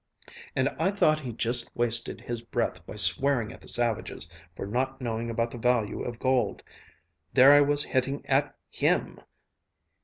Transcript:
And I thought he just wasted his breath by swearing at the savages for not knowing about the value of gold. There I was hitting at _him!